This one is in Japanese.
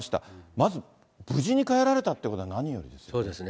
まず無事に帰られたということは何よりですね。